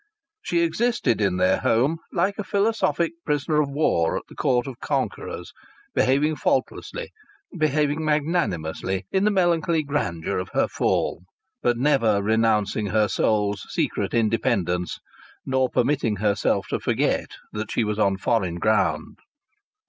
She existed in their home like a philosophic prisoner of war at the court of conquerors, behaving faultlessly, behaving magnanimously in the melancholy grandeur of her fall, but never renouncing her soul's secret independence, nor permitting herself to forget that she was on foreign ground.